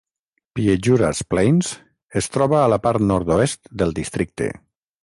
Piejuras Plains es troba a la part nord-oest del districte.